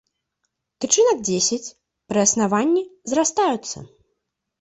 Тычынак дзесяць, пры аснаванні зрастаюцца.